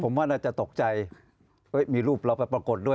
ผมว่าน่าจะตกใจมีรูปเราไปปรากฏด้วย